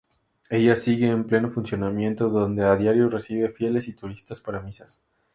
Ella sigue en pleno funcionamiento donde a diario recibe fieles y turistas para misas.